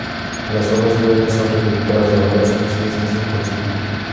Las hojas jóvenes son recolectadas, lavadas y cocidas antes del consumo.